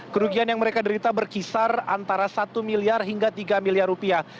kerugian yang mereka derita berkisar antara satu miliar hingga tiga miliar rupiah